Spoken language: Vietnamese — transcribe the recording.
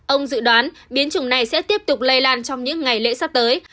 ông dự đoán biến chủng này sẽ tiếp tục lây lan trong những ngày lễ sắp tới